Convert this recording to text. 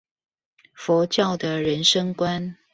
佛教的人生觀